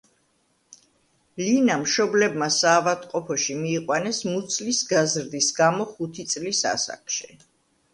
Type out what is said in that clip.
ლინა მშობლებმა საავადმყოფოში მიიყვანეს მუცლის გაზრდის გამო ხუთი წლის ასაკში.